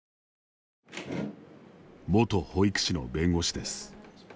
元保育士の弁護士です。